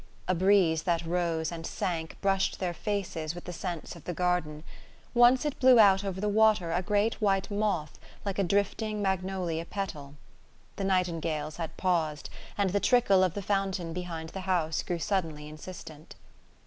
A breeze that rose and sank brushed their faces with the scents of the garden; once it blew out over the water a great white moth like a drifting magnolia petal. The nightingales had paused and the trickle of the fountain behind the house grew suddenly insistent.